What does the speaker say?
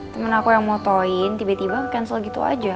temen aku yang motoin tiba tiba cancel gitu aja